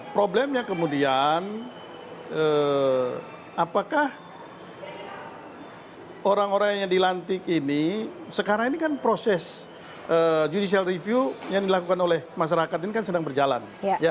problemnya kemudian apakah orang orang yang dilantik ini sekarang ini kan proses judicial review yang dilakukan oleh masyarakat ini kan sedang berjalan